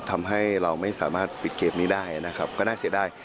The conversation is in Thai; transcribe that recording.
ทำให้เราไม่สามารถปิดเกมนี้ได้นะครับก็น่าเสียดาย